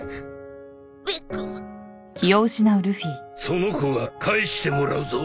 その子は返してもらうぞ。